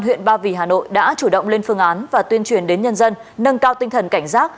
huyện ba vì hà nội đã chủ động lên phương án và tuyên truyền đến nhân dân nâng cao tinh thần cảnh giác